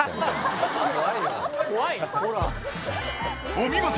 お見事！